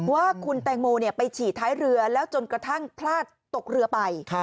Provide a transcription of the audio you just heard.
ว่าคุณแตงโมไปฉี่ท้ายเรือแล้วจนกระทั่งพลาดตกเรือไป